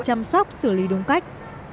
chăm sóc xử lý đúng cách